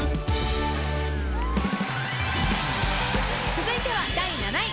［続いては第７位。